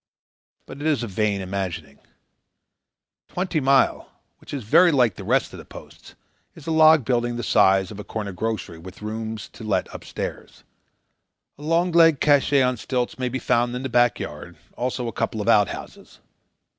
But it is a vain imagining. Twenty Mile, which is very like the rest of the posts, is a log building the size of a corner grocery with rooms to let up stairs. A long legged cache on stilts may be found in the back yard; also a couple of outhouses.